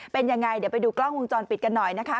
เป็นยังไงเดี๋ยวไปดูกล้องวงจรปิดกันหน่อยนะคะ